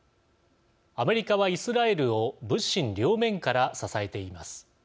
アメリカはイスラエルを物心両面から支えています。